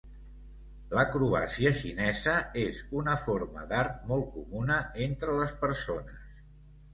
L"acrobàcia xinesa és una forma d"art molt comuna entre les persones.